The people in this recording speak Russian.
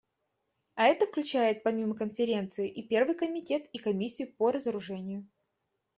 А это включает помимо Конференции и Первый комитет и Комиссию по разоружению.